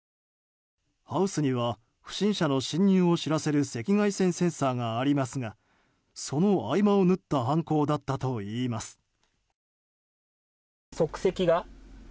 ハウスには不審者の侵入を知らせる赤外線センサーがありますがその合間をぬった犯行だったといいます。